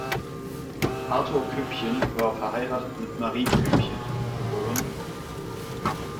Arthur Koepchen war verheiratet mit Marie Koepchen, geb.